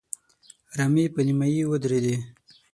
رمې په نيمايي ودرېدې.